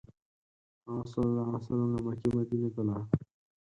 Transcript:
هغه ﷺ له مکې مدینې ته لاړ.